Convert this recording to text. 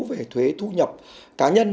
về thuế thu nhập cá nhân